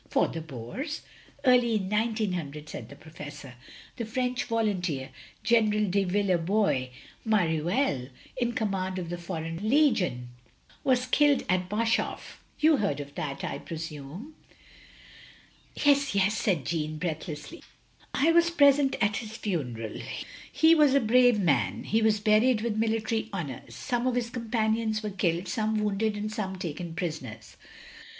"For the Boers!" "Early in 1900," said the Professor, "the French voltmteer. General de Villebois Mareuir in command of the foreign legion, was killed at Boshof. You heard of that, I presume?" "Yes, yes," said Jeanne, breathlessly. "I was present at his fimeral. He was a brave man. He was buried with military honours. Some of his companions were killed, some wounded and some taken prisoners.